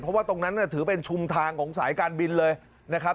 เพราะว่าตรงนั้นถือเป็นชุมทางของสายการบินเลยนะครับ